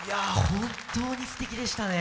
本当にすてきでしたね。